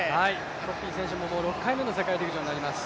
トッピン選手も６回目の世界陸上になります。